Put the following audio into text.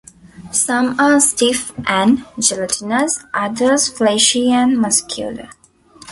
Some are stiff and gelatinous, others fleshy and muscular.